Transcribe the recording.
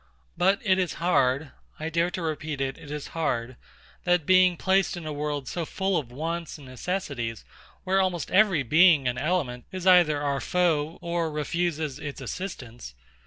But it is hard; I dare to repeat it, it is hard, that being placed in a world so full of wants and necessities, where almost every being and element is either our foe or refuses its assistance